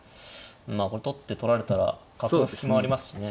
まあこれ取って取られたら角の隙もありますしね。